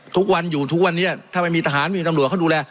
ทุกวันอยู่ทุกวันนี้ถ้าไม่มีทหารไม่มีตำรวจเขาดูแล